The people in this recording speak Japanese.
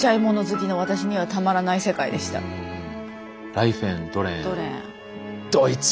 ライフェンドレーン。